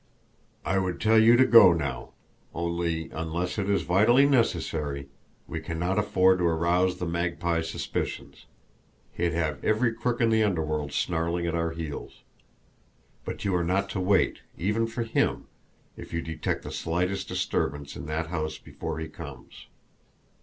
I would tell you to go now, only, unless it is vitally necessary, we cannot afford to arouse the Magpie's suspicions he'd have every crook in the underworld snarling at our heels. But you are not to wait, even for him, if you detect the slightest disturbance in that house before he comes.